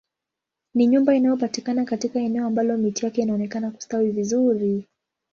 Ni nyumba inayopatikana katika eneo ambalo miti yake inaonekana kustawi vizuri